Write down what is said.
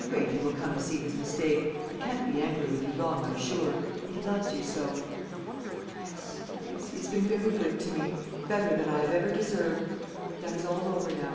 Granger will come to see his mistake. He can't be angry with you long, I'm sure; he loves you so." "Yes, yes, he has been very good to me better than I have ever deserved; but that is all over now.